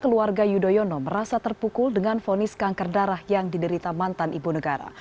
keluarga yudhoyono merasa terpukul dengan fonis kanker darah yang diderita mantan ibu negara